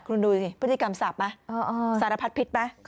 คุณดูสิพฤติกรรมสาบไหมสารพัดพิษไหม